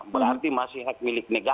berarti masih hak milikmu